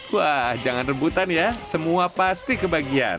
wah jangan rebutan ya semua pasti kebagian